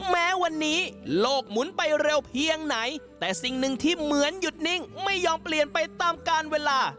แม้วันนี้โลกหมุนไปเร็วเพียงไหนแต่สิ่งหนึ่งที่เหมือนหยุดนิ่งไม่ยอมเปลี่ยนไปตามการเวลา